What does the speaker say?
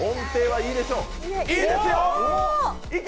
いいですよ、いけ！